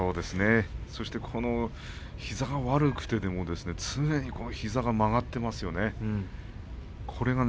そして膝が悪くても常に膝が曲がっていますよね。